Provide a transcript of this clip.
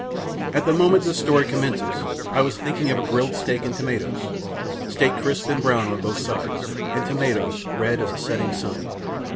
At the moment this story commences I was thinking of grilled steak and tomatoes steak crisp and brown on both sides, and tomatoes red as a setting sun!